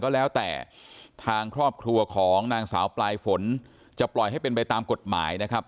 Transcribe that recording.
แล้วแต่ทางครอบครัวของนางสาวปลายฝนจะปล่อยให้เป็นไปตามกฎหมายนะครับ